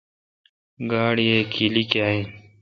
گاڑی اے کیلی کاں این۔